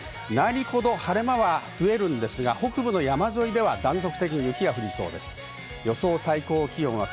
内陸ほど晴れ間は増えるんですが、北部の山沿いでは断続的に雪が降りそうです。